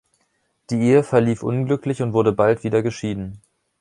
Die Ehe verlief unglücklich und wurde bald wieder geschieden.